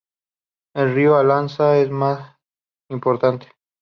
El río Arlanza es el más importante.